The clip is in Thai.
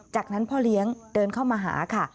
จากนั้นพ่อเลี้ยงเดินเข้ามาหาค่ะ